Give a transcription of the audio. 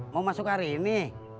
mau masuk hari ini